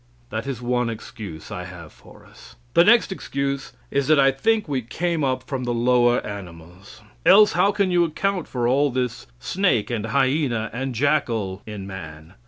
That is one excuse I have for us. The next excuse is that I think we came up from the lower animals. Else how can you account for all this snake and hyena and jackal in man?